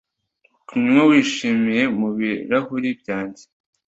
Kunywa wishimye mubirahuri byanjye